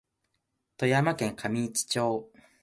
富山県上市町